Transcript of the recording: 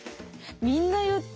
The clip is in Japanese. みんな言ってたね。